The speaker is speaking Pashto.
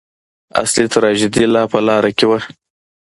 اصلي تراژیدي لا په لاره کې وه.